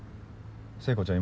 聖子ちゃん